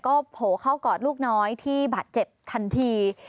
ก็โผล่เข้ากอดลูกน้อยที่บาดเจ็บทันที